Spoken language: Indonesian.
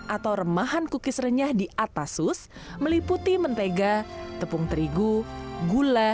atau remahan kukis renyah di atas sus meliputi mentega tepung terigu gula